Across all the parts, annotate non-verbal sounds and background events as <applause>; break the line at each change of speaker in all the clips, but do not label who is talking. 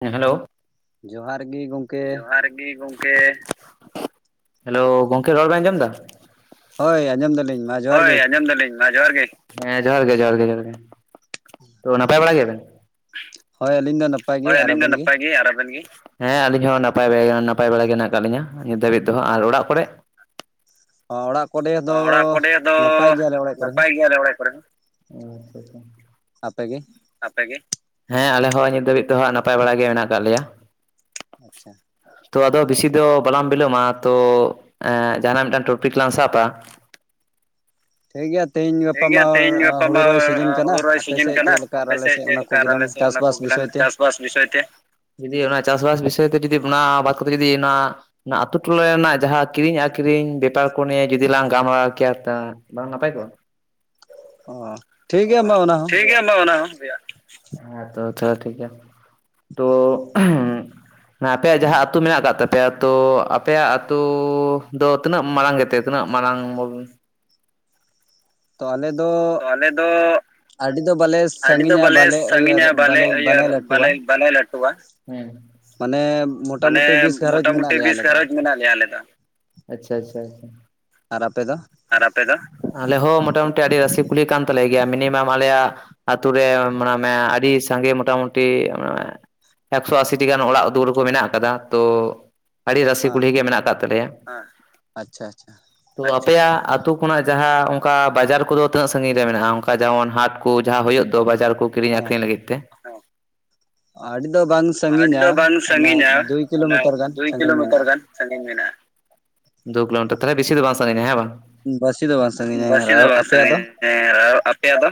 ᱦᱮᱸ ᱦᱮᱞᱳᱣ᱾
ᱡᱚᱦᱟᱨ ᱜᱤ ᱜᱚᱝᱠᱮ᱾
ᱜᱤ ᱜᱚᱢᱠᱮ, ᱦᱮᱞᱳᱣ ᱜᱚᱝᱠᱮ ᱨᱚᱲ ᱵᱮᱱ ᱟᱸᱡᱚᱢ ᱫᱟ?
ᱦᱳᱭ ᱟᱸᱡᱚᱢ ᱫᱟᱹᱞᱤᱧ᱾
ᱦᱳᱭ ᱟᱸᱡᱚᱢ ᱫᱟᱹᱞᱤᱧ᱾ ᱦᱮᱸ ᱡᱚᱦᱟᱨ ᱜᱮ, ᱦᱮᱸ ᱡᱚᱦᱟᱨ ᱜᱮ ᱡᱚᱦᱟᱨ ᱜᱮ ᱡᱚᱦᱟᱨ ᱜᱮ, ᱛᱚ ᱱᱟᱯᱟᱭ ᱵᱟᱲᱟ ᱜᱮᱭᱟᱵᱮᱱ?
ᱦᱳᱭ ᱟᱹᱞᱤᱧ ᱫᱚ
ᱦᱳᱭ ᱟᱹᱞᱤᱧ ᱫᱚ ᱱᱟᱯᱟᱭ ᱜᱮ ᱟᱨ ᱟᱵᱮᱱ ᱜᱮ? ᱦᱮᱸ ᱟᱞᱤᱧ ᱦᱚᱸ ᱱᱟᱯᱟᱭ ᱵᱟᱭᱟ ᱜᱮ ᱱᱟᱯᱟᱭ ᱵᱟᱲᱟ ᱜᱮ ᱦᱮᱱᱟᱜ ᱠᱟᱫ ᱞᱤᱧᱟᱹ ᱱᱤᱛ ᱫᱷᱟᱹᱵᱤᱡ ᱫᱚ ᱦᱟᱸᱜ ᱟᱨ ᱚᱲᱟᱜ ᱠᱚᱨᱮ
ᱚ ᱚᱲᱟᱜ ᱠᱚᱨᱮ ᱫᱚ ᱱᱟᱯᱟᱭ ᱜᱮᱭᱟᱞᱮ ᱚᱲᱟᱜ ᱠᱚᱨᱮ ᱦᱚᱸ᱾
ᱜᱤ ᱟᱞᱮ ᱚᱲᱟᱭ ᱠᱚᱨᱮ ᱦᱚ᱾ ᱚ ᱟᱪᱪᱷᱟ ᱟᱪᱪᱷᱟ᱾
ᱟᱯᱮ ᱜᱤ?
ᱟᱯᱮ ᱜᱤ? ᱦᱮᱸ ᱟᱞᱮ ᱦᱚᱸ ᱱᱤᱛ ᱫᱷᱟᱹᱵᱤᱡ ᱛᱚ ᱦᱟᱸᱜ ᱱᱟᱯᱟᱭ ᱵᱟᱲᱟ ᱜᱮ ᱢᱮᱱᱟᱜ ᱠᱟᱜ ᱞᱮᱭᱟ᱾
ᱟᱪᱪᱷᱟ᱾
ᱛᱚ ᱟᱫᱚ ᱵᱤᱥᱤ ᱫᱚ ᱵᱟᱞᱟᱝ ᱵᱤᱞᱚᱢᱟ ᱛᱚ ᱮᱜ ᱡᱟᱦᱟᱱᱟᱜ ᱢᱤᱫᱴᱟᱝ ᱴᱚᱯᱤᱠ ᱞᱟᱝ ᱥᱟᱯᱟ᱾ ᱴᱷᱤᱠ ᱜᱮᱭᱟ ᱛᱮᱦᱮᱧ ᱜᱟᱯᱟ ᱢᱟ ᱦᱩᱲᱩ ᱨᱚᱦᱚᱭ ᱥᱤᱡᱤᱱ ᱠᱟᱱᱟ᱾ ᱟᱯᱮ ᱥᱮᱫ ᱪᱮᱫ ᱞᱮᱠᱟ ᱟᱨ ᱟᱞᱮ ᱥᱮᱫ ᱚᱱᱟ ᱠᱚᱜᱤᱞᱟᱝ ᱪᱟᱥᱵᱟᱥ ᱵᱤᱥᱚᱭ ᱛᱮ᱾ ᱡᱩᱫᱤ ᱚᱱᱟ ᱪᱟᱥᱵᱟᱥ ᱵᱤᱥᱚᱭ ᱛᱮ ᱡᱩᱫᱤ ᱚᱱᱟ ᱵᱟᱫ ᱠᱟᱛᱮ ᱡᱩᱫᱤ ᱱᱚᱣᱟ ᱚᱱᱟ ᱟᱛᱩ ᱴᱚᱞᱟ ᱨᱮᱱᱟᱜ ᱡᱟᱦᱟᱸ ᱠᱤᱨᱤᱧ ᱟᱠᱷᱨᱤᱧ ᱵᱮᱯᱟᱨ ᱠᱚ ᱱᱤᱭᱮ ᱡᱩᱫᱤ ᱞᱟᱝ ᱜᱟᱢᱟᱨᱟᱣ ᱠᱮᱭᱟ ᱛᱚ ᱵᱟᱝ ᱱᱟᱯᱟᱭ ᱠᱚᱜᱼᱟ?
ᱚ᱾
ᱚ, ᱴᱷᱤᱠ ᱜᱮᱭᱟ ᱢᱟ ᱚᱱᱟ ᱦᱚᱸ ᱦᱮᱸ ᱛᱚ ᱪᱚ ᱴᱷᱤᱠ ᱜᱮᱭᱟ᱾ ᱛᱳ ᱚᱱᱟ ᱟᱯᱮᱭᱟᱜ ᱡᱟᱦᱟᱸ ᱟᱛᱩ ᱢᱮᱱᱟᱜ ᱠᱟᱜ ᱛᱟᱯᱮᱭᱟ ᱛᱚ ᱟᱯᱮᱭᱟᱜ ᱟᱛᱳ ᱫᱚ ᱛᱤᱱᱟᱹᱜ ᱢᱟᱲᱟᱝ ᱜᱮᱛᱮ? ᱛᱤᱱᱟᱹᱜ ᱢᱟᱨᱟᱝ ᱵᱚᱞ
ᱛᱚ ᱟᱞᱮ ᱫᱚ
ᱛᱚ ᱟᱞᱮ ᱫᱚ
ᱟᱹᱰᱤ ᱫᱚ ᱵᱟᱞᱮ ᱥᱟᱺᱜᱤᱧᱟ ᱵᱟᱞᱮ ᱟᱹᱭᱟᱹᱨ ᱵᱟᱞᱮ ᱵᱟᱞᱮ ᱞᱟᱹᱴᱩᱣᱟ᱾ ᱢᱟᱱᱮ
ᱢᱟᱱᱮ ᱢᱚᱴᱟᱢᱩᱴᱤ ᱵᱤᱥ ᱜᱷᱟᱨᱚᱸᱡᱽ ᱢᱮᱱᱟᱜ ᱞᱮᱭᱟ ᱟᱞᱮ ᱫᱚ, ᱟᱪᱪᱷᱟ ᱟᱪᱪᱷᱟ ᱟᱪᱷᱟ᱾
ᱟᱨ ᱟᱯᱮ ᱫᱚ?
ᱟᱨ ᱟᱯᱮ ᱫᱚ? ᱟᱞᱮ ᱦᱚᱸ ᱢᱚᱴᱟᱢᱩᱴᱤ ᱟᱹᱰᱤ ᱨᱟᱹᱥᱤ ᱠᱩᱞᱤ ᱠᱟᱱ ᱛᱟᱞᱮ ᱜᱮᱭᱟ ᱢᱤᱱᱤᱢᱟᱢ ᱟᱞᱮᱭᱟᱜ ᱟᱛᱩ ᱨᱮ ᱢᱟᱱᱚᱢᱮ ᱟᱹᱰᱤ ᱥᱟᱸᱜᱮ ᱢᱚᱴᱟᱢᱩᱴᱤ ᱢᱚᱱᱮᱢᱮ ᱮᱠᱥᱚ ᱟᱥᱤᱴᱤ ᱜᱟᱱ ᱚᱲᱟᱜ ᱫᱩᱣᱟᱹᱨ ᱠᱚ ᱢᱮᱱᱟᱜ ᱠᱟᱫᱟ ᱛᱚ ᱟᱹᱰᱤ ᱨᱟᱹᱥᱤ ᱠᱩᱞᱦᱤ ᱜᱤ ᱢᱮᱱᱟᱜ ᱠᱟᱜ ᱛᱟᱞᱮᱭᱟ᱾
ᱟᱪᱪᱷᱟ ᱟᱪᱷᱟ᱾
ᱛᱩᱟᱯᱷ ᱟᱯᱮᱭᱟᱜ ᱟᱹᱛᱩ ᱠᱷᱚᱱᱟᱜ ᱡᱟᱦᱟᱸ ᱚᱝᱠᱟ ᱵᱟᱡᱟᱨ ᱠᱚᱫᱚ ᱛᱤᱱᱟᱹᱜ ᱥᱟᱺᱜᱤᱧ ᱨᱮ ᱢᱮᱱᱟᱜᱼᱟ ᱚᱱᱠᱟ ᱡᱮᱢᱚᱱ ᱦᱟᱴ ᱠᱚ ᱡᱟᱦᱟᱸ ᱦᱩᱭᱩᱜ ᱫᱚ ᱵᱟᱡᱟᱨ ᱠᱩ? ᱠᱤᱨᱤᱧ ᱟᱠᱷᱨᱤᱧ ᱞᱟᱹᱜᱤᱫ ᱛᱮ᱾
ᱟᱹᱰᱤ ᱫᱚ ᱵᱟᱝᱥ
ᱟᱹᱰᱤ ᱫᱚ ᱵᱟᱝ ᱥᱟᱺᱜᱤᱧᱟ ᱚᱱᱟ ᱫᱩᱭ ᱠᱤᱞᱳᱢᱤᱴᱟᱨ ᱜᱟᱱ᱾ ᱥᱟᱺᱜᱤᱧ ᱢᱮᱱᱟᱜᱼᱟ, ᱫᱩ ᱠᱤᱞᱳᱢᱤᱴᱟᱨ ᱛᱟᱦᱚᱞᱮ ᱵᱮᱥᱤ ᱫᱚ ᱵᱟᱝ ᱥᱟᱺᱜᱤᱧ ᱟ ᱦᱮᱸ ᱵᱟᱝ?
ᱵᱟᱥᱤ ᱫᱚ ᱵᱟᱝ ᱥᱟᱺᱜᱤᱧᱟ, ᱟᱨ ᱟᱯᱮᱭᱟᱜ ᱫᱚ?
ᱦᱮᱸ ᱨᱮᱦᱚ ᱟᱯᱮᱭᱟᱜ ᱫᱚ?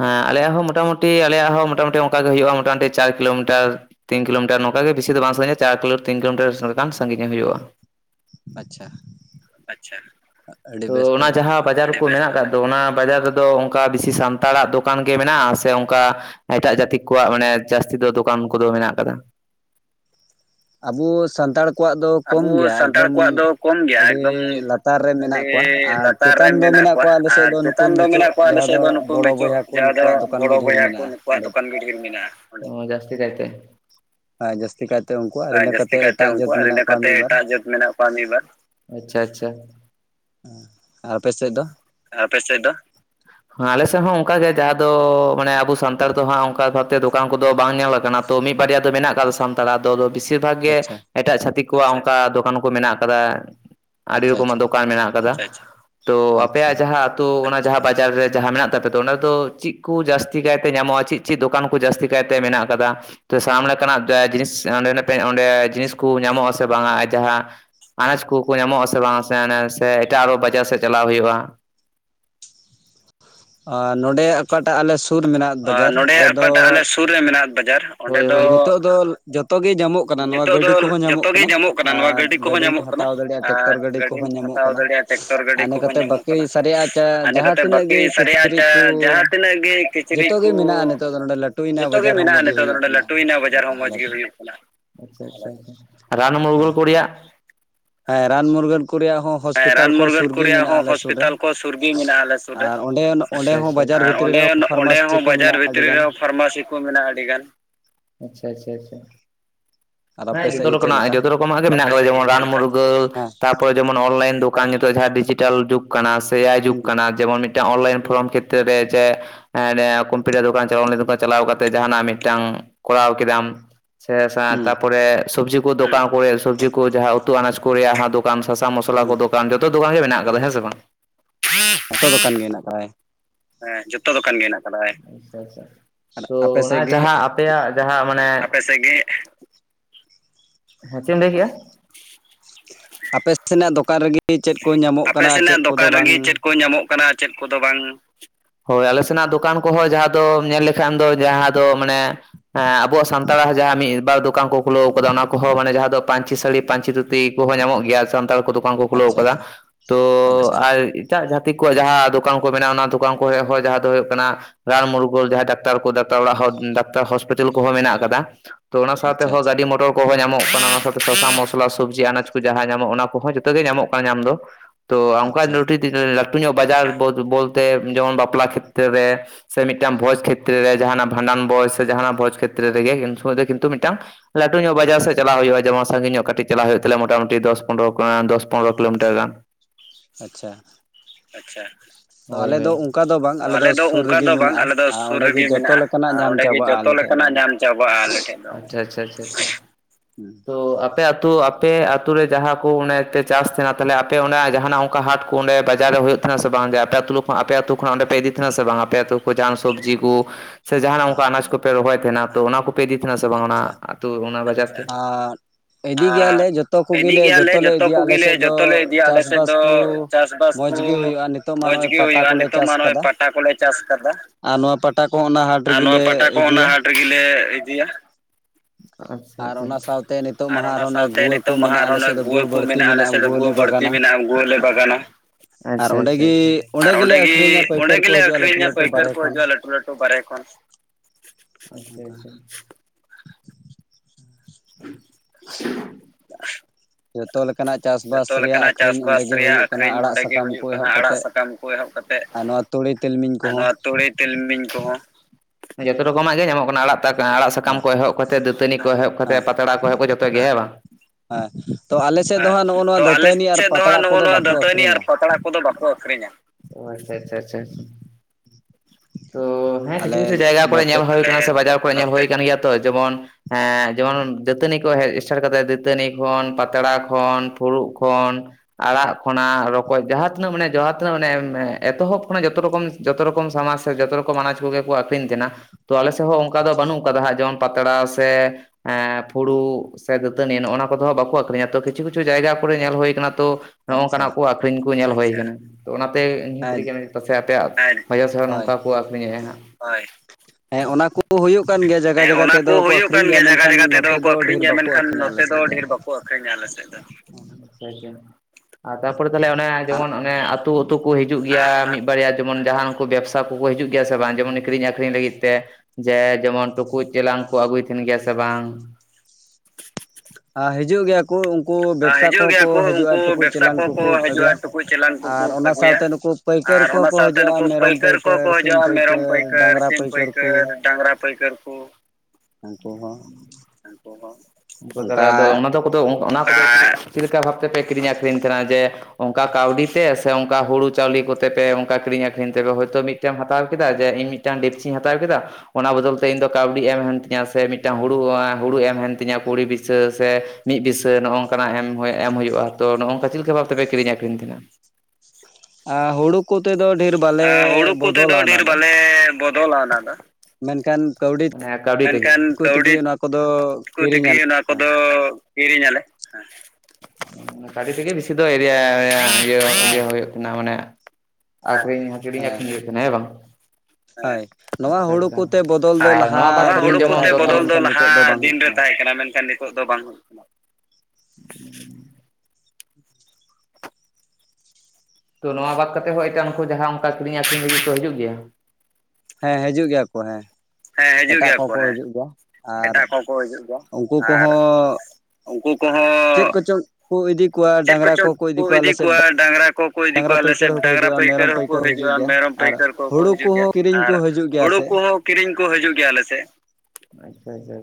ᱦᱮᱸ ᱟᱞᱮᱭᱟᱜ ᱦᱚᱸ ᱢᱚᱴᱟᱢᱩᱴᱤ ᱟᱞᱮᱭᱟᱜ ᱦᱚᱸ ᱢᱚᱴᱟᱢᱩᱴᱤ ᱚᱱᱠᱟ ᱜᱮ ᱦᱩᱭᱩᱜᱼᱟ ᱢᱚᱴᱟᱢᱩᱴᱤ ᱪᱟᱨ ᱠᱤᱞᱳᱢᱤᱴᱟᱨ᱾ ᱛᱤᱱ ᱠᱤᱞᱳᱢᱤᱴᱟᱨ ᱱᱚᱝᱠᱟ ᱜᱮ ᱵᱮᱥᱤ ᱫᱚ ᱵᱟᱝ ᱥᱟᱹᱜᱤᱧᱟ ᱪᱟᱨ ᱠᱤᱞᱳ ᱛᱤᱱ ᱠᱤᱞᱳᱢᱤᱴᱟᱨ ᱟᱱ ᱵᱩᱡᱷᱟᱣ ᱠᱟᱢᱤ ᱥᱟᱹᱜᱤᱧ ᱦᱩᱭᱩᱜᱼᱟ। ᱟᱪᱪᱷᱟ, ᱛᱚ ᱚᱱᱟ ᱡᱟᱦᱟᱸ ᱼᱼ ᱵᱟᱡᱟᱨ ᱠᱚ ᱢᱮᱱᱟᱜ ᱟᱠᱟᱫ ᱫᱚ ᱚᱱᱟ ᱵᱟᱡᱟᱨ ᱨᱮᱫᱚ ᱚᱱᱠᱟ ᱵᱮᱥᱤ ᱥᱟᱱᱛᱟᱲᱟᱜ ᱫᱚᱠᱟᱱ ᱜᱮ ᱢᱮᱱᱟᱜᱼᱟ, ᱥᱮ ᱚᱱᱠᱟ ᱼᱼ ᱮᱴᱟᱜ ᱡᱟᱹᱛᱤ ᱠᱚᱣᱟᱜ ᱢᱟᱱᱮ ᱡᱟᱹᱥᱛᱤ ᱫᱚ ᱫᱚᱠᱟᱱ ᱠᱚᱫᱚ ᱢᱮᱱᱟᱜ ᱟᱠᱟᱫᱟ।
ᱟᱵᱚ ᱥᱟᱱᱛᱟᱲ ᱼᱼ ᱠᱚᱣᱟᱜ ᱫᱚ ᱠᱚᱢ ᱜᱮᱭᱟ ᱮᱠᱫᱚᱢ ᱟᱹᱰᱤ ᱞᱟᱛᱟᱨ ᱨᱮ ᱢᱮᱱᱟᱜ ᱠᱚᱣᱟ᱾ ᱟᱨ ᱼᱼ ᱪᱮᱛᱟᱱ ᱫᱚ ᱢᱮᱱᱟᱜ ᱠᱚᱣᱟ ᱟᱞᱮᱥᱮᱫ ᱫᱚ ᱱᱩᱠᱩ ᱢᱮᱪᱚᱜ ᱡᱟᱦᱟᱸ ᱫᱚ ᱵᱚᱲᱚ ᱵᱚᱭᱦᱟ ᱠᱚ ᱱᱩᱠᱩᱣᱟᱜ ᱫᱚᱠᱟᱱ ᱜᱮ ᱰᱷᱮᱨ ᱢᱮᱱᱟᱜᱼᱟ᱾
ᱠᱚᱣᱟᱜ ᱫᱚᱠᱟᱱ ᱜᱮ ᱰᱷᱮᱨ ᱢᱮᱱᱟᱜᱼᱟ ᱚᱸᱰᱮ। ᱚ ᱡᱟᱹᱥᱛᱤ ᱠᱟᱭᱛᱮ
ᱟᱨ ᱡᱟᱹᱥᱛᱤ ᱠᱟᱭᱛᱮ ᱩᱱᱠᱩᱣᱟᱜ ᱟᱨ ᱤᱱᱟᱹ ᱠᱟᱛᱮ ᱮᱴᱟᱜ ᱡᱟᱹᱛ ᱢᱮᱱᱟᱜ
ᱠᱟᱛᱮᱜ ᱮᱴᱟᱜ ᱡᱟᱹᱛ ᱢᱮᱱᱟᱜ ᱠᱚᱣᱟ ᱢᱤᱫ ᱵᱟᱨ, ᱟᱪᱪᱷᱟ ᱟᱪᱪᱷᱟ᱾
ᱦᱩᱸ ᱟᱨ ᱟᱯᱮ ᱥᱮᱫ ᱫᱚ?
ᱟᱯᱮᱥᱮᱫ ᱫᱚ? ᱦᱮᱸ ᱟᱞᱮᱥᱮᱫ ᱦᱚᱸ ᱚᱱᱠ ᱜᱮ ᱡᱟᱦᱟᱸ ᱫᱚ ᱢᱟᱱᱮ ᱟᱵᱚ ᱥᱟᱱᱛᱟᱲ ᱫᱚ ᱦᱟᱸᱜ ᱚᱱᱠᱟ ᱵᱷᱟᱵᱛᱮ ᱫᱚᱠᱟᱱ ᱠᱚᱫᱚ ᱵᱟᱝ ᱧᱮᱞ ᱟᱠᱟᱱᱟ᱾ ᱛᱚ ᱢᱤᱫ ᱵᱟᱨᱭᱟ ᱫᱚ ᱢᱮᱱᱟᱜ ᱟᱠᱟᱫᱟ ᱥᱟᱱᱛᱟᱲ ᱫᱚ ᱵᱮᱥᱤᱨ ᱵᱷᱟᱜ ᱜᱮ ᱮᱴᱟᱜ ᱪᱷᱟᱹᱛᱤᱠ ᱠᱚᱣᱟᱜ ᱚᱱᱠᱟ ᱫᱚᱠᱟᱱ ᱠᱚ ᱢᱮᱱᱟᱜ ᱟᱠᱟᱫᱟ᱾ ᱟᱹᱰᱤ ᱨᱚᱠᱚᱢᱟᱜ ᱫᱚᱠᱟᱱ ᱢᱮᱱᱟᱜ ᱟᱠᱟᱫᱟ᱾ ᱟᱪᱪᱷᱟ ᱟᱪᱪᱷᱟ ᱛᱚ ᱟᱯᱮᱭᱟᱜ ᱡᱟᱦᱟᱸ ᱼᱼ ᱛᱚ ᱚᱱᱟ ᱡᱟᱦᱟᱸ ᱵᱟᱡᱟᱨ ᱨᱮ ᱡᱟᱦᱟᱸ ᱢᱮᱱᱟᱜ ᱛᱟᱯᱮ ᱫᱚ ᱚᱸᱰᱮ ᱫᱚ ᱪᱮᱫ ᱠᱚ ᱡᱟᱹᱥᱛᱤ ᱠᱟᱭᱛᱮ ᱧᱟᱢᱚᱜᱼᱟ ᱪᱮᱫ? ᱪᱮᱫ ᱫᱚᱠᱟᱱ ᱠᱚ ᱡᱟᱹᱥᱛᱤ ᱠᱟᱭᱛᱮ ᱢᱮᱱᱟᱜ ᱠᱟᱫᱟ? ᱛᱚ ᱥᱟᱱᱟᱢ ᱞᱮᱠᱟᱱᱟᱜ ᱡᱟ ᱡᱤᱱᱤᱥ ᱚᱸᱰᱮ ᱱᱟᱜᱯᱮ <inaudible> ᱚᱸᱰᱮ ᱡᱤᱱᱤᱥ ᱠᱚ ᱧᱟᱢᱚᱜ ᱟᱥᱮ ᱵᱟᱝᱟ? ᱡᱟᱦᱟᱸ ᱟᱱᱟᱡ ᱠᱚᱠᱚ ᱧᱟᱢᱚᱜ ᱟᱥᱮ ᱵᱟᱝ ᱥᱮ ᱥᱮ ᱮᱴᱟᱜ ᱟᱨᱚ ᱵᱟᱡᱟᱨ ᱥᱮᱫ ᱪᱟᱞᱟᱣ ᱦᱩᱭᱩᱜᱼᱟ᱾
ᱚᱻ ᱱᱚᱸᱰᱮ ᱚᱠᱟᱴᱟᱜ ᱟᱞᱮ ᱥᱩᱨ ᱢᱮᱱᱟᱜ ᱵᱟᱡᱟᱨ ᱚᱸᱰᱮ ᱫᱚ ᱼᱼ
ᱥᱩᱨ ᱨᱮ ᱢᱮᱱᱟᱜ ᱵᱟᱡᱟᱨ ᱚᱸᱰᱮ ᱫᱚ ᱱᱤᱛᱚᱜ ᱫᱚ ᱡᱚᱛᱚ ᱜᱮ ᱧᱟᱢᱚᱜ ᱠᱟᱱᱟ ᱱᱚᱣᱟ ᱜᱟᱹᱰᱤ ᱠᱚᱦᱚᱸ ᱧᱟᱢᱚᱜ ᱼᱼ ᱟᱨ ᱜᱟᱹᱰᱤᱢ ᱦᱟᱛᱟᱣ ᱫᱟᱲᱮᱭᱟᱜᱼᱟ ᱴᱨᱟᱠᱴᱚᱨ ᱜᱟᱹᱰᱤ ᱠᱚᱦᱚᱸ ᱧᱟᱢᱚᱜ ᱠᱟᱱᱟ᱾ ᱤᱱᱟᱹ ᱠᱟᱛᱮ ᱵᱟᱠᱤ ᱥᱟᱨᱮᱜᱼᱟ ᱪᱟ ᱡᱟᱦᱟᱸ ᱛᱤᱱᱟᱹᱜ ᱜᱮ <unintelligible> ᱠᱤᱪᱨᱤᱡ ᱠᱚ ᱡᱚᱛᱚ ᱜᱮ ᱢᱮᱱᱟᱜᱼᱟ ᱱᱮᱛᱟᱨ ᱫᱚ ᱱᱚᱸᱰᱮ। ᱱᱟ ᱵᱟᱡᱟᱨ ᱦᱚᱸ ᱢᱚᱸᱡᱽ ᱜᱮ ᱦᱩᱭᱩᱜ ᱠᱟᱱᱟ᱾ ᱟᱪᱪᱷᱟ ᱟᱪᱪᱷᱟ ᱟᱪᱪᱷᱟ ᱨᱟᱱ ᱢᱩᱨᱜᱟᱹᱱ ᱠᱚ ᱨᱮᱭᱟᱜ ᱼᱼ
ᱦᱮᱸ ᱨᱟᱱ ᱢᱩᱨᱜᱟᱹᱱ ᱠᱚ ᱨᱮᱭᱟᱜ ᱦᱚᱸ ᱼᱼ
ᱦᱮᱸ ᱨᱟᱱ ᱢᱩᱨᱜᱟᱹᱱ ᱠᱚ ᱨᱮᱭᱟᱜ ᱦᱚᱸ ᱦᱚᱥᱯᱤᱴᱟᱞ ᱠᱚ ᱥᱩᱨᱜᱮ ᱢᱮᱱᱟᱜᱼᱟ ᱟᱞᱮ ᱥᱩᱨ ᱨᱮ᱾ᱟᱪᱪᱷᱟ ᱟᱪᱪᱷᱟ ᱟᱪᱪᱷᱟ᱾ ᱟᱨ ᱚᱸᱰᱮ ᱼᱼ ᱚᱸᱰᱮ ᱦᱚᱸ ᱵᱟᱡᱟᱨ ᱵᱷᱤᱛᱨᱤ ᱨᱮᱦᱚᱸ ᱯᱷᱟᱨᱢᱟᱥᱤ ᱠᱚ ᱢᱮᱱᱟᱜᱼᱟ ᱟᱹᱰᱤ ᱜᱟᱱ᱾ ᱟᱪᱪᱷᱟ ᱟᱪᱪᱷᱟ ᱟᱪᱪᱷᱟ ᱾ ᱦᱮᱸ ᱡᱚᱛᱚ ᱨᱚᱠᱚᱢᱟᱜ ᱡᱚᱛᱚ ᱨᱚᱠᱚᱢᱟᱜ ᱜᱮ ᱢᱮᱱᱟᱜ ᱠᱚᱫᱟ ᱡᱮᱢᱚᱱ ᱨᱟᱱ ᱢᱩᱨᱜᱟᱹᱱ ᱛᱟᱨᱯᱚᱨᱮ ᱡᱮᱢᱚᱱ ᱼᱼ ᱚᱱᱞᱟᱭᱤᱱ ᱫᱚᱠᱟᱱ ᱱᱤᱛᱚᱜ ᱡᱟᱦᱟᱸ ᱰᱤᱡᱤᱴᱟᱞ ᱡᱩᱜᱽ ᱠᱟᱱᱟ ᱥᱮ ᱮᱭᱟᱭ ᱡᱩᱜᱽ ᱠᱟᱱᱟ᱾ ᱡᱮᱢᱚᱱ ᱢᱤᱫᱴᱟᱝ ᱚᱱᱞᱟᱭᱤᱱ ᱯᱷᱨᱚᱢ ᱠᱷᱮᱛᱨᱮ ᱨᱮ ᱡᱮ ᱼᱼ ᱮ ᱟᱨ ᱠᱚᱢᱯᱤᱭᱩᱴᱟᱨ ᱫᱚᱠᱟᱱ, ᱫᱚᱠᱟᱱ ᱪᱟᱞᱟᱣ ᱠᱟᱛᱮᱜ ᱡᱟᱦᱟᱱᱟᱜ ᱢᱤᱫᱴᱟᱝ ᱠᱚᱨᱟᱣ ᱠᱮᱫᱟᱢ᱾ ᱥᱮ <inaudible> ᱛᱟᱯᱚᱨᱮ ᱥᱚᱵᱡᱤ ᱠᱚ ᱫᱚᱠᱟᱱ ᱠᱚᱨᱮ ᱥᱚᱵᱡᱤ ᱠᱚ ᱡᱟᱦᱟᱸ ᱩᱛᱩ ᱟᱱᱟᱡ ᱠᱚ ᱨᱮᱭᱟᱜ ᱦᱟᱸᱜ ᱫᱚᱠᱟᱱ ᱥᱟᱥ ᱼᱼ ᱢᱚᱥᱞᱟ ᱠᱚ ᱫᱚᱠᱟᱱ ᱡᱚᱛᱚ ᱫᱚᱠᱟᱱ ᱜᱮ ᱢᱮᱱᱟᱜ ᱟᱠᱟᱫᱟ ᱦᱮᱸ ᱥᱮ ᱵᱟᱝ᱾
ᱡᱷᱚᱛᱚ ᱫᱚᱠᱟᱱ ᱜᱮ ᱦᱮᱱᱟᱜ ᱠᱟᱜ ᱟᱭ᱾
ᱦᱮᱸ ᱡᱚᱛᱚ ᱫᱚᱠᱟᱱ ᱜᱮ ᱦᱮᱱᱟᱜ ᱠᱟᱫᱟᱭ᱾ ᱟᱪᱪᱷᱟ ᱟᱪᱪᱷᱟ ᱛᱚ ᱚᱱᱟ ᱡᱟᱦᱟᱸ ᱼᱼ ᱟᱯᱮᱭᱟᱜ ᱡᱟᱦᱟᱸ ᱢᱟᱱᱮ ᱟᱯᱮ ᱥᱮᱫ ᱜᱮ ᱦᱮᱸ ᱪᱮᱫ ᱮᱢ ᱞᱟᱹᱭ ᱠᱮᱫᱼᱟ?
ᱟᱯᱮ ᱥᱮᱱᱟᱜ ᱫᱚᱠᱟᱱ ᱨᱮᱜᱤ ᱪᱮᱫ ᱠᱚ ᱧᱟᱢᱚᱜ ᱠᱟᱱᱟ ᱪᱮᱫ ᱠᱚᱫᱚ ᱵᱟᱝ
ᱠᱟᱱᱟ ᱪᱮᱫ ᱠᱚᱫᱚ ᱵᱟᱝ, ᱦᱳᱭ ᱟᱞᱮ ᱥᱮᱱᱟᱜ ᱫᱚᱠᱟᱱ ᱠᱚᱦᱚᱸ ᱡᱟᱦᱟᱸ ᱫᱚ ᱧᱮᱞ ᱞᱮᱠᱷᱟᱱ ᱫᱚ ᱡᱟᱦᱟᱸ ᱫᱚ ᱢᱟᱱᱮ ᱟᱵᱚᱣᱟᱜ ᱥᱟᱱᱛᱟᱲᱟᱜ ᱦᱚᱸ ᱡᱟᱦᱟᱸ ᱢᱤᱫ ᱵᱟᱨ ᱫᱚᱠᱟᱱ ᱠᱚ ᱠᱷᱩᱞᱟᱹᱣ ᱠᱟᱫᱟ ᱚᱱᱟ ᱠᱚᱦᱚᱸ ᱢᱟᱱᱮ ᱡᱟᱦᱟᱸ ᱫᱚ ᱯᱟᱧ ᱯᱟᱹᱧᱪᱤ ᱥᱟᱹᱲᱤ ᱯᱟᱹᱧᱪᱤ ᱫᱷᱩᱛᱤ ᱠᱚᱦᱚᱸ ᱧᱟᱢᱚᱜ ᱜᱮᱭᱟ ᱥᱟᱱᱛᱟᱲ ᱠᱚ ᱫᱚᱠᱟᱱ ᱠᱚ ᱠᱷᱩᱞᱟᱹᱣ ᱟᱠᱟᱫᱟ᱾ ᱛᱚ ᱟᱨ ᱼᱼ ᱮᱴᱟᱜ ᱡᱟᱹᱛᱤ ᱠᱚᱣᱟᱜ ᱡᱟᱦᱟᱸ ᱫᱚᱠᱟᱱ ᱠᱚ ᱢᱮᱱᱟᱜᱼᱟ ᱚᱱᱟ ᱫᱚᱠᱟᱱ ᱠᱚᱨᱮ ᱦᱚᱸ ᱡᱟᱦᱟᱸ ᱫᱚ ᱦᱩᱭᱩᱜ ᱠᱟᱱᱟ ᱼᱼ ᱨᱟᱱ ᱢᱩᱨᱜᱟᱹᱱ ᱡᱟᱦᱟᱸᱟᱭ ᱰᱟᱠᱛᱟᱨ ᱠᱚ ᱰᱟᱠᱛᱟᱨ ᱚᱲᱟᱜ ᱦᱚᱸ ᱰᱟᱠᱛᱟᱨ ᱦᱚᱥᱯᱤᱴᱟᱞ ᱠᱚᱦᱚᱸ ᱢᱮᱱᱟᱜ ᱟᱠᱟᱫᱟ᱾ ᱛᱚ ᱚᱱᱟ ᱥᱟᱶᱛᱮ ᱦᱚᱸ ᱜᱟᱹᱰᱤ ᱢᱚᱴᱚᱨ ᱼᱼ ᱠᱚᱦᱚᱸ ᱧᱟᱢᱚᱜ ᱠᱟᱱᱟ ᱚᱱᱟ ᱥᱟᱶᱛᱮ ᱥᱟᱥᱟᱝ ᱢᱚᱥᱞᱟ ᱥᱚᱵᱽᱡᱤ ᱟᱱᱟᱡᱽ ᱠᱚ ᱡᱟᱦᱟᱸ ᱧᱟᱢᱚᱜᱼᱟ ᱚᱱᱟ ᱠᱚᱦᱚᱸ ᱡᱚᱛᱚ ᱜᱮ ᱧᱟᱢᱚᱜ ᱠᱟᱱᱟ ᱧᱟᱢ ᱫᱚ᱾ ᱛᱚ ᱚᱱᱠᱟ <unintelligible> ᱞᱟᱹᱴᱩ ᱧᱚᱜ ᱵᱟᱡᱟᱨ ᱵᱚᱞᱛᱮ ᱡᱮᱢᱚᱱ ᱵᱟᱯᱞᱟ ᱠᱷᱮᱛᱨᱮ ᱨᱮ᱾ ᱥᱮ ᱢᱤᱫᱴᱟᱝ ᱵᱷᱳᱡᱽ ᱠᱷᱮᱛᱨᱮ ᱨᱮ ᱡᱟᱦᱟᱱᱟᱜ ᱵᱷᱟᱸᱰᱟᱱ ᱵᱷᱳᱡᱽ ᱥᱮ ᱡᱟᱦᱟᱱᱟᱜ ᱵᱷᱳᱡᱽ ᱠᱷᱮᱛᱨᱮ ᱨᱮᱜᱮ ᱥᱚᱢᱚᱭ ᱫᱚ ᱠᱤᱱᱛᱩ ᱢᱤᱫᱴᱟᱝ ᱼᱼ ᱞᱟᱹᱴᱩ ᱧᱚᱜ ᱵᱟᱡᱟᱨ ᱥᱮᱫ ᱪᱟᱞᱟᱜ ᱦᱩᱭᱩᱜᱼᱟ ᱡᱮᱢᱚᱱ ᱥᱟᱺᱜᱤᱧᱚᱜ ᱠᱟᱹᱴᱤᱡ ᱪᱟᱞᱟᱜ ᱦᱩᱭᱩᱜ ᱛᱟᱞᱮᱭᱟ ᱢᱚᱴᱟᱢᱩᱴᱤ ᱫᱚᱥ ᱯᱚᱱᱨᱚ ᱫᱚᱥ ᱯᱚᱱᱮᱨᱚ ᱠᱤᱞᱳᱢᱤᱴᱟᱨ ᱜᱟᱱ
ᱟᱪᱪᱷᱟ
ᱟᱪᱪᱷᱟ ᱦᱳᱭ ᱦᱳᱭ ᱟᱞᱮ ᱫᱚ ᱚᱱᱠᱟ ᱫᱚ ᱵᱟᱝ ᱟᱞᱮ ᱫᱚ ᱥᱩᱨ ᱨᱮᱜᱮ ᱢᱮᱱᱟᱜ-ᱟ ᱚᱸᱰᱮᱜᱮ ᱡᱚᱛᱚ ᱞᱮ ᱡᱚᱛᱚ ᱱᱟᱸᱜ ᱧᱟᱢ ᱪᱟᱵᱟᱜᱼᱟ ᱟᱞᱮ ᱴᱷᱮᱱ ᱫᱚ ᱟᱪᱪᱷᱟ ᱟᱪᱪᱷᱟ ᱛᱚ ᱟᱯᱮ ᱟᱹᱛᱩ ᱟᱯᱮ ᱟᱹᱛᱩ ᱨᱮ ᱡᱟᱦᱟᱸ ᱠᱚ ᱚᱱᱮ ᱪᱟᱥ ᱛᱟᱦᱮᱱᱟ ᱛᱟᱦᱚᱞᱮ ᱟᱯᱮ ᱚᱸᱱᱮ ᱡᱟᱦᱟᱱᱟᱜ ᱚᱱᱠᱟ ᱦᱟᱴ ᱠᱚ ᱚᱸᱵᱮ ᱵᱟᱡᱟᱨ ᱨᱮ ᱦᱩᱭᱩᱜ ᱛᱟᱦᱮᱱᱟ ᱥᱮ ᱵᱟᱝ ᱟᱯᱮ ᱟᱛ ᱟᱯᱮ ᱟᱹᱛᱩ ᱠᱷᱚᱱᱟᱜ ᱚᱸᱰᱮ ᱯᱮ ᱤᱫᱤ ᱛᱟᱦᱮᱱᱟ ᱥᱮ ᱵᱟᱝ ᱟᱯᱮ ᱟᱹᱛᱩ ᱠᱩ ᱡᱟᱦᱟᱱ ᱥᱚᱵᱽᱡᱤ ᱠᱩ ᱥᱮ ᱡᱟᱦᱟᱱᱟᱜ ᱚᱱᱠᱟ ᱟᱱᱟᱡ ᱠᱚᱯᱮ ᱨᱚᱦᱚᱭ ᱛᱟᱦᱮᱱᱟ ᱛᱚ ᱚᱱᱟ ᱠᱚᱯᱮ ᱤᱫᱤ ᱛᱟᱦᱮᱱᱟ ᱥᱮ ᱵᱟᱝ ᱚᱱᱟ ᱟᱹᱛᱩ ᱚᱱᱟ ᱵᱟᱡᱟᱨ ᱛᱮ ᱟᱨ ᱤᱫᱤ ᱜᱮᱭᱟᱞᱮ ᱡᱷᱚᱛᱚ ᱠᱚᱜᱮᱞᱮ ᱡᱚᱛᱚ ᱞᱮ ᱤᱫᱤᱭᱟ ᱟᱞᱮ ᱥᱮᱫ ᱫᱚ ᱪᱟᱥᱵᱟᱥ ᱠᱚ ᱢᱚᱡᱽ ᱜᱮ ᱦᱩᱭᱩᱜᱼᱟ ᱱᱤᱛᱚᱜ ᱢᱟ ᱱᱚᱜᱼᱚᱭ ᱯᱟᱴ ᱯᱟᱴᱟ ᱠᱚᱞᱮ ᱪᱟᱥ ᱟᱠᱟᱫᱟ ᱟᱨ ᱱᱚᱣᱟ ᱯᱟᱴᱟ ᱠᱚ ᱚᱱᱟ ᱦᱟᱴ ᱨᱮᱜᱮ ᱞᱮ ᱤᱫᱤᱭᱟ ᱟᱨ ᱚᱱᱟ ᱥᱟᱶᱛᱮ ᱱᱤᱛᱚᱜ ᱢᱟᱦᱟᱸᱜ ᱟᱨᱚ ᱜᱩᱣᱟᱹ ᱢᱮᱱᱟᱜ-ᱟ ᱟᱞᱮᱥᱮᱫ ᱫᱚ ᱜᱩᱣᱟᱹ ᱵᱟᱹᱲᱛᱤ ᱢᱮᱱᱟᱜ-ᱟ ᱜᱩᱣᱟᱹ ᱞᱮ ᱵᱟᱜᱟᱱᱟ ᱟᱪᱪᱷᱟ ᱟᱪᱪᱷᱟ ᱟᱪᱪᱷᱟ ᱟᱨ ᱚᱸᱰᱮ ᱜᱮ ᱚᱸᱰᱮ ᱜᱮᱞᱮ ᱟᱹᱠᱷᱨᱤᱧᱟ ᱯᱟᱹᱭᱠᱟᱹᱨ ᱠᱚ ᱦᱤᱡᱩᱜ-ᱟ ᱞᱟᱹᱴᱩ ᱞᱟᱹᱴᱩ ᱵᱟᱨᱦᱮ ᱠᱷᱚᱱ ᱟᱪᱪᱷᱟ ᱟᱪᱪᱷᱟ
<inaudible>
ᱡᱚᱛᱚ ᱞᱮᱠᱟᱱᱟᱜ ᱪᱟᱥ-ᱵᱟᱥ ᱨᱮᱭᱟᱜ ᱟᱹᱠᱷᱨᱤᱧ ᱚᱸᱰᱮ ᱜᱮ ᱦᱩᱭᱩᱜ ᱠᱟᱱᱟ ᱟᱲᱟᱜ ᱥᱟᱠᱟᱢ ᱠᱚ ᱮᱦᱚᱵᱽ ᱠᱟᱛᱮᱫ ᱟᱨ ᱱᱚᱣᱟ ᱛᱩᱲᱤ ᱛᱤᱞᱢᱤᱧ ᱠᱚᱦᱚᱸ ᱡᱚᱛᱚ ᱨᱚᱠᱚᱢᱟᱜ ᱜᱮ ᱧᱟᱢᱚᱜ ᱠᱟᱱᱟ ᱟᱲᱟᱜ ᱟᱲᱟᱜ ᱥᱟᱠᱟᱢ ᱠᱚ ᱮᱦᱚᱵᱽ ᱠᱟᱛᱮ, ᱫᱟᱹᱛᱟᱹᱱᱤ ᱠᱚ ᱮᱦᱚᱵᱽ ᱠᱟᱛᱮ, ᱯᱟᱛᱲᱟ ᱠᱚ ᱮᱦᱚᱵᱽ ᱠᱟᱛᱮ ᱡᱚᱛᱚ ᱜᱮ ᱦᱮᱸ ᱵᱟᱝ ᱦᱮᱸ ᱛᱚ ᱟᱞᱮ ᱥᱮᱫ ᱫᱚ ᱦᱟᱸᱜ ᱱᱚᱜᱼᱚ ᱱᱚᱣᱟ ᱫᱟᱹᱛᱟᱹᱱᱤ ᱟᱨ ᱯᱟᱛᱲᱟ ᱠᱚᱫᱚ ᱵᱟᱠᱚ ᱟᱹᱠᱷᱨᱤᱧᱟ ᱚ ᱟᱪᱷᱟ ᱟᱪᱪᱷᱟ ᱟᱪᱪᱷᱟ ᱛᱚ ᱦᱮᱸ ᱠᱤᱪᱷᱩ ᱠᱤᱪᱷᱩ ᱡᱟᱭᱜᱟ ᱠᱚᱨᱮ ᱧᱮᱞ ᱦᱩᱭ ᱠᱟᱱᱟ ᱥᱮ ᱵᱟᱡᱟᱨ ᱠᱚᱨᱮ ᱧᱮᱞ ᱦᱩᱭ ᱠᱟᱱ ᱜᱮᱭᱟ ᱛᱚ ᱡᱮᱢᱚᱱ ᱦᱮᱸ ᱡᱮᱢᱚᱱ ᱫᱟᱹᱛᱟᱹᱱᱤ ᱠᱷᱚᱱ ᱥᱴᱟᱨᱴ ᱠᱟᱛᱮᱫ ᱫᱟᱹᱛᱟᱹᱱᱤ ᱠᱷᱚᱱ ᱯᱟᱛᱲᱟ ᱠᱷᱚᱱ ᱯᱷᱩᱲᱩᱜ ᱠᱷᱚᱱ ᱟᱲᱟᱜ ᱠᱷᱚᱱᱟᱜ ᱨᱚᱠᱚᱡ ᱡᱟᱦᱟᱸ ᱛᱤᱱᱟᱹᱜ ᱢᱟᱱᱮ ᱡᱟᱦᱟᱸ ᱛᱤᱱᱟᱹᱜ ᱢᱟᱱᱮ ᱮᱛᱚᱦᱚᱵᱽ ᱠᱷᱚᱱᱟᱜ ᱡᱚᱛᱚ ᱨᱚᱠᱚᱢ ᱡᱚᱛᱚ ᱨᱚᱠᱚᱢ ᱥᱟᱢᱟᱥ ᱥᱮ ᱡᱚᱛᱚ ᱨᱚᱠᱚᱢ ᱟᱱᱟᱡ ᱠᱚᱜᱮ ᱠᱚ ᱟᱹᱠᱷᱨᱤᱧ ᱛᱟᱦᱮᱸᱱᱟ ᱛᱚ ᱟᱞᱮᱥᱮᱫ ᱦᱚᱸ ᱚᱱᱠᱟ ᱫᱚ ᱵᱟᱹᱱᱩᱜ ᱟᱠᱟᱫᱟ ᱦᱟᱸᱜ ᱡᱮᱢᱚᱱ ᱯᱟᱛᱲᱟ ᱥᱮ ᱯᱷᱩᱲᱩ ᱥᱮ ᱫᱟᱹᱛᱟᱹᱱᱤ ᱚᱱᱟ ᱠᱚᱫᱚ ᱵᱟᱠᱚ ᱟᱹᱷᱨᱤᱧᱟ ᱛᱚ ᱠᱤᱪᱷᱩ ᱠᱤᱪᱷᱩ ᱡᱟᱭᱜᱟ ᱠᱚᱨᱮ ᱧᱮᱞ ᱦᱩᱭ ᱟᱠᱟᱱᱟ ᱛᱚ ᱱᱚᱜ-ᱱᱚᱝᱠᱟᱱᱟᱜ ᱠᱚ ᱟᱠᱷᱨᱤᱧ ᱠᱚ ᱧᱮᱞ ᱦᱩᱭ ᱟᱠᱟᱱᱟ ᱛᱚ ᱚᱱᱟᱛᱮ ᱤᱧ ᱦᱚᱸᱧ ᱠᱩᱞᱤ ᱠᱮᱫ ᱢᱮᱭᱟ ᱥᱮ ᱟᱯᱮᱭᱟᱜ ᱠᱷᱚᱡ ᱦᱚᱸ ᱱᱚᱝᱠᱟ ᱠᱚ ᱟᱹᱠᱷᱨᱤᱧᱮᱜᱼᱟ ᱦᱟᱸᱜ
ᱦᱮᱸ ᱚᱱᱟ ᱠᱩ ᱦᱩᱭᱩᱜ ᱠᱟᱱ ᱜᱮᱭᱟ ᱡᱟᱭᱜᱟ ᱡᱟᱭᱜᱟ ᱛᱮᱫᱚ ᱠᱚ ᱟᱹᱠᱷᱨᱤᱧ ᱜᱮᱭᱟ ᱢᱮᱱᱠᱷᱟᱱ ᱱᱚᱛᱮ ᱫᱚ ᱰᱷᱮᱨ ᱵᱟᱠᱚ ᱟᱹᱷᱨᱤᱧᱟ ᱟᱞᱮ ᱥᱮᱫ ᱫᱚ
ᱠᱟᱹᱧ ᱟᱞᱮ ᱥᱮᱫ ᱫᱚ <unintelligible> ᱟᱨ ᱛᱟᱯᱚᱨᱮ ᱛᱟᱦᱚᱞᱮ ᱚᱱᱮ ᱡᱮᱢᱚᱱ ᱚᱱᱮ ᱟᱛᱩ ᱟᱛᱩ ᱠᱩ ᱦᱤᱡᱩᱜ ᱜᱮᱭᱟ ᱢᱤᱫ ᱵᱟᱨᱭᱟ ᱡᱮᱢᱚᱱ ᱡᱟᱦᱟᱱ ᱠᱚ ᱵᱮᱵᱥᱟ ᱠᱚᱠᱩ ᱦᱤᱡᱩᱜ ᱜᱮᱭᱟ ᱥᱮ ᱵᱟᱝ ᱡᱮᱢᱚᱱ ᱠᱷᱨᱤᱧ ᱟᱹᱠᱷᱨᱤᱧ ᱞᱟᱹᱜᱤᱫ ᱛᱮ ᱡᱮ ᱡᱮᱢᱚᱱ ᱴᱩᱠᱩᱡᱽ ᱪᱮᱞᱟᱝ ᱠᱚ ᱟᱹᱜᱩᱭ ᱛᱟᱦᱮᱱ ᱜᱮᱭᱟ ᱥᱮ ᱵᱟᱝ
ᱦᱟᱸ ᱦᱤᱡᱩᱜ ᱜᱮᱭᱟ
ᱦᱟᱸ ᱦᱤᱡᱩᱜ ᱜᱮᱭᱟ ᱠᱚ ᱩᱱᱠᱩ ᱵᱮᱵᱽᱥᱟ ᱠᱚᱦᱚᱸ ᱠᱚ ᱦᱤᱡᱩᱜ-ᱟ ᱴᱩᱠᱩᱡ ᱪᱮᱞᱟᱝ ᱠᱚᱠᱚ ᱟᱹᱜᱩᱭᱟ ᱟᱨ ᱚᱱᱟ ᱥᱟᱶᱛᱮ ᱱᱩᱠᱩ ᱯᱟᱹᱭᱠᱟᱹᱨ ᱠᱚᱦᱚᱸ ᱠᱚ ᱦᱤᱡᱩᱜ-ᱟ, ᱢᱮᱨᱚᱢ ᱯᱟᱹᱭᱠᱟᱹᱨ, ᱥᱤᱢ ᱯᱟᱹᱭᱠᱟᱹᱨ, ᱰᱟᱝᱨᱟ ᱯᱟᱹᱭᱠᱟᱹᱨ ᱠᱚ ᱦᱳ
ᱩᱱᱠᱩ ᱦᱚᱸ
ᱩᱱᱠᱩ ᱦᱚᱸ ᱩᱱᱠᱚ ᱠᱟᱫᱟ ᱟᱫᱚ ᱚᱱᱟ ᱠᱚᱫᱚ ᱚᱱᱟ ᱪᱮᱫ ᱞᱮᱠᱟ ᱵᱷᱟᱵ ᱛᱮᱯᱮ ᱠᱤᱨᱤᱧ ᱟᱹᱠᱷᱨᱤᱧ ᱛᱟᱦᱮᱱᱟ ᱡᱮ ᱚᱱᱠᱟ ᱠᱟᱣᱰᱤ ᱛᱮ ᱥᱮ ᱚᱱᱠᱟ ᱦᱩᱲᱩ ᱪᱟᱣᱞᱮ ᱠᱚᱛᱮ ᱯᱮ ᱚᱱᱠᱟ ᱠᱤᱨᱤᱧ ᱟᱠᱷᱨᱤᱧ ᱛᱮᱯᱮ ᱦᱳᱭᱛᱳ ᱢᱤᱫ ᱴᱮᱢ ᱦᱟᱛᱟᱣ ᱠᱮᱫᱟ ᱡᱮ ᱤᱧ ᱢᱤᱫᱴᱮᱝ ᱰᱤᱯᱪᱤᱧ ᱦᱟᱛᱟᱣ ᱠᱮᱫᱟ ᱚᱱᱟ ᱵᱚᱫᱚᱞᱛᱮ ᱤᱧ ᱫᱚ ᱠᱟᱹᱣᱰᱤ ᱮᱢ ᱦᱩᱭᱮᱱ ᱛᱤᱧᱟᱹ ᱥᱮ ᱢᱤᱫᱴᱟᱝ ᱦᱩᱲᱩ ᱦᱩᱲᱩ ᱮᱢ ᱦᱩᱭᱮᱱ ᱛᱤᱧᱟᱹ ᱠᱩᱲᱤ ᱵᱤᱥᱟᱹ ᱥᱮ ᱢᱤᱫ ᱵᱤᱥ ᱥᱮ ᱱᱚᱜᱼᱱᱚᱝᱠᱟᱱᱟᱜ ᱮᱢ ᱮᱢ ᱦᱩᱭᱩᱜᱼᱟ ᱛᱚ ᱱᱚᱜ ᱱᱚᱝᱠᱟ ᱪᱤᱫ ᱞᱮᱠᱟ ᱵᱷᱟᱵ ᱛᱮᱯᱮ ᱠᱤᱨᱤᱧ ᱟᱹᱠᱷᱨᱤᱧ ᱛᱟᱦᱮᱱᱟ᱾
ᱟᱸ ᱦᱩᱲᱩ ᱠᱚᱛᱮ ᱫᱚ ᱰᱷᱮᱨ ᱵᱟᱞᱮ ᱵᱚᱫᱚᱞᱟ ᱚᱱᱟ ᱫᱚ᱾
ᱵᱚᱫᱚᱞᱟ ᱚᱱᱟ ᱫᱚ
ᱢᱮᱱᱠᱷᱟᱱ ᱠᱟᱹᱣᱰᱤ
ᱦᱮᱸ ᱠᱟᱹᱣᱰᱤ ᱛᱤᱜᱤ, ᱢᱮᱱᱠᱷᱟᱱ ᱠᱟᱹᱣᱰᱤ ᱠᱚ ᱛᱮᱜᱮ ᱱᱚᱣᱟ ᱠᱚᱫᱚ, ᱠᱤᱨᱤᱧ ᱟᱞᱮ ᱠᱟᱹᱣᱰᱤ ᱛᱮᱜᱮ ᱵᱤᱥ ᱫᱚ ᱮᱨᱭᱟ‌ᱭ ᱤᱭᱟᱹ ᱜᱮ ᱦᱩᱭᱩᱜ ᱠᱟᱱᱟ ᱢᱟᱱᱮ ᱟᱠᱠᱷᱨᱤᱧ ᱦᱟᱹᱪᱰᱤᱧ ᱟᱠᱠᱷᱨᱤᱧ ᱦᱩᱭᱩᱜ ᱠᱟᱱᱟ ᱦᱮᱸ ᱵᱟᱝ?
ᱦᱳᱭ ᱱᱚᱣᱟ ᱦᱩᱲᱩ ᱠᱚᱛᱮ ᱵᱚ
ᱟᱨ ᱱᱚᱭᱟ ᱦᱩᱲ ᱛᱮᱢᱚᱱ <inaudible> ᱠᱚ ᱵᱚᱫᱚᱞ ᱫᱚ ᱞᱟᱦᱟ ᱫᱤᱱ ᱨᱮ ᱛᱟᱦᱮᱸ ᱠᱟᱱᱟ ᱢᱮᱱᱠᱷᱟᱱ ᱱᱤᱛᱚᱜ ᱫᱚ ᱵᱟᱝ ᱦᱩᱭᱩᱜ <inaudible> ᱛᱚ ᱱᱚᱶᱟ ᱵᱟᱫ ᱠᱟᱛᱮᱮᱫ ᱦᱚᱸ ᱮᱴᱟᱜᱠᱩ ᱡᱟᱦᱟᱸ ᱚᱱᱠᱟ ᱠᱤᱨᱤᱧ ᱟᱠᱨᱤᱧ ᱞᱟᱹᱜᱤᱫ ᱠᱚ ᱦᱤᱡᱩᱜ ᱜᱮᱭᱟ?
ᱦᱮᱸ ᱦᱤᱡᱩᱜ ᱜᱮᱭᱟ ᱠᱚ ᱦᱮᱸ᱾
ᱦᱮᱸ ᱦᱤᱡᱩᱜ ᱜᱮᱭᱟ ᱠᱚ ᱦᱮᱸ, ᱮᱴᱟᱜ ᱠᱚᱠᱚ ᱦᱤᱡᱩᱜ ᱜᱮᱭᱟ ᱟᱨ ᱩᱱᱠᱩ ᱠᱚᱦᱚᱸ ᱪᱮᱫ ᱠᱚᱪᱚᱝ ᱠᱚ ᱤᱫᱤ ᱠᱚᱣᱟ ᱰᱟᱝᱨᱟ ᱠᱚᱦᱚᱸ ᱠᱚ ᱤᱫᱤ ᱠᱚᱣᱟ ᱟᱞᱮᱥ ᱰᱟᱝᱨᱟ ᱯᱟᱹᱭᱠᱟᱹᱨ ᱦᱚᱸ ᱠᱚ ᱦᱤᱡᱩᱜᱼᱟ ᱢᱮᱨᱚᱢ ᱯᱟᱹᱭᱠᱟᱹᱨ ᱠᱚᱦᱚᱸᱠᱚ ᱦᱤᱡᱩᱜ ᱜᱮᱭᱟ ᱟᱨ ᱦᱩᱲᱩ ᱠᱚᱦᱚᱸ ᱠᱤᱨᱤᱧ ᱠᱚ ᱦᱤᱡᱩᱜ ᱜᱮᱭᱟ ᱟᱞᱮᱥᱮ, ᱟᱪᱪᱷᱟ ᱟᱪᱪᱷᱟ᱾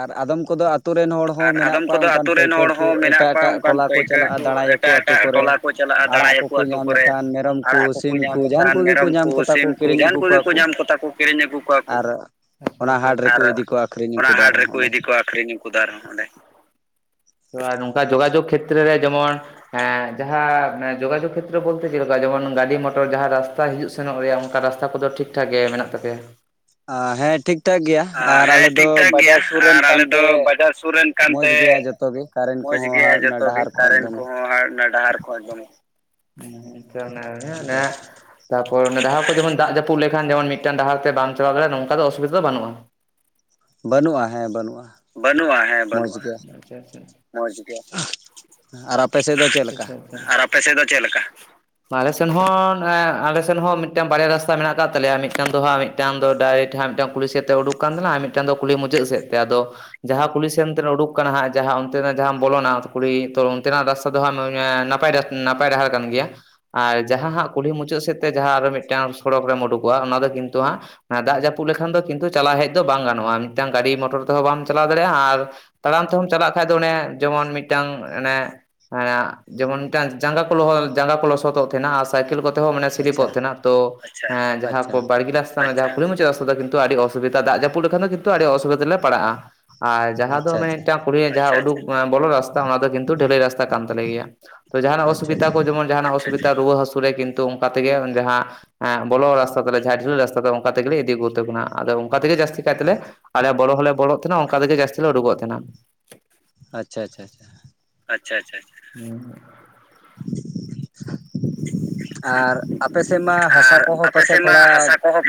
ᱟᱨ ᱟᱫᱚᱢ ᱠᱚᱫᱚ
ᱟᱨ ᱟᱫᱚᱢ ᱠᱚᱫᱚ ᱟᱛᱳ ᱨᱮᱱ ᱦᱚᱲ ᱦᱚᱸ ᱢᱮᱱᱟᱜ ᱠᱚᱣᱟ ᱚᱱᱠᱟᱱ ᱯᱟᱹᱭᱠᱟᱹᱨ ᱠᱚ ᱮᱴᱟᱜ ᱮᱴᱟᱜ ᱴᱚᱞᱟ ᱠᱚ ᱪᱟᱞᱟᱜᱼᱟ ᱫᱟᱬᱟᱭᱟᱠᱚ ᱟᱛᱳ ᱠᱚᱨᱮ ᱟᱲᱟᱜ ᱠᱚᱠᱚ ᱧᱟᱢ ᱞᱮᱠᱷᱟᱱ ᱢᱮᱨᱚᱢ ᱠᱚ ᱥᱤᱢ ᱠᱩ ᱡᱟᱦᱟᱱ ᱠᱚᱜᱮ ᱠᱚ ᱧᱟᱢ ᱠᱚᱛᱟ ᱠᱚ ᱠᱤᱨᱤᱧ ᱟᱹᱜᱩ ᱠᱚᱣᱟ ᱠᱚ᱾ ᱟᱨ ᱟᱨ ᱦᱟᱴ ᱨᱮᱠᱚ ᱤᱫᱤ ᱠᱚ ᱟᱠᱷᱨᱤᱧ ᱠᱚᱫᱟ ᱟᱨᱦᱚᱸ ᱚᱸᱰᱮ᱾ ᱛᱚ ᱱᱚᱝᱠᱟ ᱡᱳᱜᱟᱡᱳᱜᱽ ᱠᱷᱮᱛᱨᱮ ᱨᱮ ᱡᱮᱢᱚᱱ ᱦᱮᱸ ᱡᱟᱦᱟᱸ ᱡᱚᱜᱟᱡᱳᱜ ᱠᱷᱮᱛᱨᱚ ᱵᱛᱮ ᱪᱮᱫ ᱞᱮᱠᱟ ᱡᱢᱚᱱ ᱜᱟᱹᱰᱤᱤ ᱢᱚᱴᱚᱨ ᱡᱟᱦᱟᱸ ᱨᱟᱥ ᱨᱟᱥᱛᱟ ᱦᱤᱡᱩᱜ ᱥᱮᱱᱚᱜ ᱨᱮᱭᱟᱜ ᱚᱱᱠᱟ ᱨᱟᱥᱛᱟ ᱠᱚᱫᱚ ᱴᱷᱤᱠ ᱴᱷᱟᱠ ᱜᱮ ᱢᱮᱱᱟᱜ ᱛᱟᱯᱮᱭᱟ? ᱟ ᱦᱮᱸ ᱴᱷᱤᱠᱼᱴᱷᱟᱠ ᱜᱮᱭᱟ ᱟᱨ ᱟᱞᱮ ᱫᱚ ᱵᱟᱡᱟᱨ ᱥᱩᱨᱮᱱ ᱠᱟᱱᱛᱮ ᱢᱚᱡᱽ ᱜᱮᱭᱟ ᱡᱚᱛᱚᱜ ᱜᱮ ᱠᱟᱨᱮᱱᱴ ᱠᱚᱦᱚᱸ ᱚᱱᱟ ᱰᱟᱦᱟᱨ <unintelligible> ᱛᱟᱯᱚᱨ ᱰᱟᱦᱟᱨ ᱠᱚ ᱡᱮᱢᱚᱱ ᱫᱟᱜ ᱡᱟᱹᱯᱩ ᱞᱮᱠᱷᱟᱱ ᱡᱮ ᱢᱤᱫᱴ ᱰᱟᱦ ᱛᱮ ᱵᱟᱢ ᱪᱟᱵᱟ ᱫᱟᱲᱭᱟᱜᱼᱟᱝᱠᱟ ᱫᱚ ᱚᱥᱩᱵᱤᱫᱟ ᱫᱚ ᱵᱟᱹᱱᱩᱜᱼᱟ?
ᱵᱟᱹᱱᱩᱜᱼᱟ ᱦᱮᱸ ᱵᱟᱹᱱᱩᱜᱼᱟ᱾
ᱱᱩᱜ-ᱟ ᱦᱮᱸ ᱵᱟᱹᱱᱩᱜᱼᱟ ᱢᱚᱡᱽ ᱜᱮ᱾ ᱟᱨ ᱟᱯᱮ ᱥᱮᱫ ᱫᱚ ᱪᱮᱫ ᱞᱮᱠᱟ? ᱟᱞᱮᱥᱮᱱ ᱦᱚᱸ ᱟᱞᱮᱥᱮᱱ ᱦᱚᱸ ᱢᱤᱫᱴᱟᱝ ᱵᱟᱨᱭᱟ ᱨᱟᱥᱛᱟ ᱢᱮᱱᱟᱜ ᱟᱠᱟᱫ ᱛᱟᱞᱮᱭᱟ, ᱢᱤᱫᱴᱟᱝ ᱫᱚ ᱦᱟᱸᱜ ᱢᱤᱫᱴᱟᱝ ᱫᱚ ᱰᱟᱭᱨᱮᱠᱴ ᱢᱤᱫᱴᱟᱝ ᱠᱩᱞᱤ ᱥᱮᱫ ᱛᱮ ᱩᱰᱩᱠ ᱠᱟᱱ ᱛᱟᱦᱮᱱᱟ ᱟᱨ ᱢᱤᱫᱴᱟᱝ ᱫᱚ ᱠᱩᱞᱤ ᱢᱩᱪᱟᱹᱫ ᱥᱮᱫ ᱛᱮ, ᱟᱫᱚ ᱡᱟᱦᱟᱸ ᱠᱩᱞᱤ ᱥᱮᱱᱛᱮ ᱩᱰᱩᱠ ᱟᱠᱟᱱᱟ ᱦᱟᱸᱜ ᱡᱟᱦᱟᱸ ᱚᱱᱛᱮᱱᱟᱜ ᱡᱟᱦᱟᱸᱢ ᱵᱚᱞᱚᱱᱟ ᱠᱩᱲᱤ ᱛᱚ ᱚᱱᱛᱮᱱᱟᱜ ᱨᱟᱥᱛᱟ ᱫᱚ ᱦᱟᱸᱜ ᱱᱟᱯᱟᱭ, ᱱᱟᱯᱟᱭ ᱰᱟᱦᱟᱨ ᱠᱟᱱ ᱜᱮᱭᱟ᱾ ᱟᱨ ᱡᱟᱦᱟᱸ ᱦᱟᱸᱜ ᱠᱩᱞᱦᱤ ᱢᱩᱪᱟᱹᱫ ᱥᱮᱫ ᱛᱮ ᱡᱟᱦᱟᱸ ᱟᱨᱚ ᱢᱤᱫᱴᱟᱝ ᱥᱚᱲᱚᱠ ᱨᱮᱢ ᱩᱰᱩᱠᱚᱜᱼᱟ ᱚᱱᱟ ᱫᱚ ᱠᱤᱱᱛᱩ ᱦᱟᱸᱜ ᱫᱟᱜ ᱡᱟᱹᱯᱩᱫ ᱞᱮᱠᱷᱟᱱ ᱫᱚ ᱠᱤᱱᱛᱩ ᱪᱟᱞᱟᱣ ᱦᱮᱡ ᱫᱚ ᱵᱟᱝ ᱜᱟᱱᱚᱜᱼᱟ ᱢᱤᱫᱴᱟᱝ ᱜᱟᱹᱰᱤ ᱢᱚᱴᱚᱨ ᱛᱮᱦᱚᱸ ᱵᱟᱢ ᱪᱟᱞᱟᱣ ᱫᱟᱲᱮᱭᱟᱜᱼᱟ ᱟᱨ ᱛᱟᱲᱟᱢ ᱛᱮᱦᱢ ᱪᱟᱞᱟᱜ ᱠᱷᱟᱱ ᱫᱚ ᱚᱱᱮ ᱡᱮᱢᱚᱱ ᱢᱤᱫᱴᱟᱝ ᱚᱱᱮ ᱦᱮᱸ ᱡᱮᱢᱚᱱ ᱢᱤᱫᱴᱟᱝ ᱡᱟᱸᱜᱟ ᱠᱚ ᱞᱚᱦᱚ ᱡᱟᱸᱜᱟ ᱠᱚ ᱞᱚᱥᱚᱫᱚᱜ ᱛᱟᱦᱮᱱᱟ ᱟᱨ ᱥᱟᱭᱠᱮᱞ ᱠᱚᱛᱮ ᱦᱚᱸ ᱢᱟᱱᱮ ᱥᱤᱞᱤᱯᱚᱜ ᱛᱟᱦᱮᱱᱟ ᱛᱚ ᱡᱟᱦᱟᱸ ᱵᱟᱲᱜᱮ ᱨᱟᱥ ᱛᱟ ᱡᱟᱦᱟᱸ ᱠᱩᱞᱦᱤ ᱢᱩᱪᱟᱹᱛ ᱨᱟᱥᱛᱟ ᱫᱚ ᱠᱤᱱᱛᱩ ᱟᱹᱰᱤ ᱚᱥᱩᱵᱟ ᱫᱟᱜ ᱡᱟᱹᱩ ᱞᱮᱠᱷᱟᱱ ᱫᱚᱤᱱ ᱟᱹᱰᱤ ᱚᱥᱩᱵᱤᱫᱷᱟ ᱞᱮ ᱯᱟᱲᱟᱜᱼᱟ᱾ ᱟᱨ ᱡᱟᱦᱟᱸ ᱫᱚ ᱢᱟᱱᱮ ᱢᱤᱫᱴᱟᱝ ᱠᱩᱲᱤᱟᱜ ᱡᱟᱦᱟᱸ ᱩᱰᱩᱠ ᱵᱚᱞᱚ ᱨᱟᱥ ᱚᱱᱟ ᱫᱚ ᱠᱤᱱᱛᱩ ᱰᱷᱟᱹᱞᱟᱹᱭ ᱨᱟᱥᱛᱟ ᱠᱟᱱ ᱛᱟᱞᱮ ᱜᱮᱭᱟ ᱛᱚ ᱡᱟᱦᱟᱱᱟᱜ ᱚᱥᱩᱵᱤᱫᱟ ᱠᱚ ᱡᱮᱢᱚᱱ ᱡᱟᱦᱟᱱᱟᱜ ᱚᱥᱩᱵᱤᱛᱷᱟᱟ ᱨᱩᱣᱟᱹ ᱦᱟᱹᱥᱩ ᱨᱮ ᱠᱤᱱᱛᱩ ᱚᱱᱠᱟ ᱛᱮᱜᱮ ᱡᱟᱦᱟᱸ ᱵᱚᱞᱚ ᱨᱟᱥᱛᱟ ᱛᱟᱞᱮ ᱰᱷᱤᱞᱟᱹ ᱨᱟᱥᱛᱟ ᱛᱟ ᱚᱱᱠᱟ ᱛᱮᱜᱮᱞᱮ ᱤᱫᱤᱜᱩ ᱛᱟ ᱵᱚᱱᱟ ᱟᱫᱚᱚᱱᱠᱟ ᱛᱮᱜᱮ ᱡᱟᱹᱛᱤ ᱠᱟᱭᱛᱮ ᱛᱮᱞ ᱟᱞᱮ ᱵᱚᱞᱚ ᱦᱚᱸᱞᱮ ᱵᱚᱞᱚ ᱚᱱᱠᱟ ᱛᱮ ᱜᱮ ᱡᱥᱛᱤ ᱞᱮ ᱩᱰᱩᱚᱜ ᱛᱟᱦᱮᱱᱟ᱾
ᱟᱪᱪᱷᱟ ᱟᱪᱪᱷᱟ ᱪᱷᱟ
ᱟᱪᱪᱷᱟ ᱟᱪᱪᱷᱟ᱾
ᱟᱨ ᱟᱯᱮ ᱥᱮᱫ ᱢᱟ ᱦᱟᱥᱟ ᱠᱚᱦᱚᱸ ᱯᱟᱥᱮᱡ ᱛᱷᱚᱲᱟ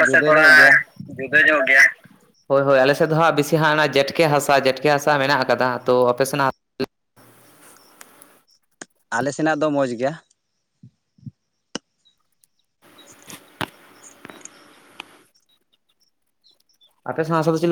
ᱡᱩᱫᱟᱹ ᱧᱚᱜ ᱜᱮᱭᱟ?
ᱡᱩᱫᱟᱹ ᱞᱚᱜ ᱜᱮᱭᱟ᱾ ᱦᱳᱭ ᱦᱳᱭ ᱟᱞᱮᱥᱮᱫ ᱫᱚ ᱦᱟᱜ ᱵᱤᱥᱤ ᱦᱟᱸᱜ ᱚᱱᱟ ᱡᱴᱠᱮ ᱦᱟᱥᱟ ᱡᱮᱴᱠᱮ ᱦᱟᱥᱟ ᱢᱮᱱᱟᱜ ᱟᱠᱟᱫᱟ ᱛᱚ ᱟᱯᱮᱥᱮᱱᱟᱜ
ᱟᱞᱮ ᱥᱮᱱᱟᱜ ᱫᱚ ᱢᱚᱡᱽ ᱜᱮᱭᱟ
ᱟᱯᱮ ᱥᱮᱱᱟᱜ ᱦᱟᱥᱟ ᱫᱚ ᱪᱤᱞᱤ